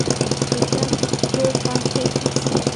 এটা তো পারফ্যাক্ট আছে?